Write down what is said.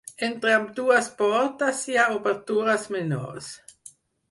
Entre ambdues portes hi ha obertures menors.